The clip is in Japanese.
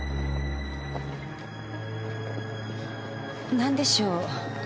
何でしょう？